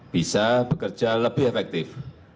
bisa bekerja lebih efektif